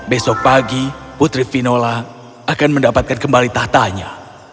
besok pagi putri vinola akan mendapatkan kembali tahtanya